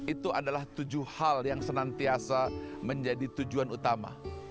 itu adalah tujuh hal yang senantiasa menjadi tujuan utama